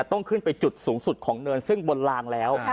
ต้องขึ้นไปจุดสูงสุดของเนินซึ่งบนลางแล้ว